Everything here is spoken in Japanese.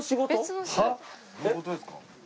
どういう事ですか？